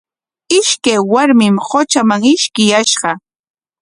Ishkay warmim qutraman ishkiyashqa.